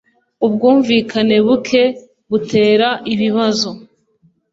Ubwumvikane buke butera ibibazo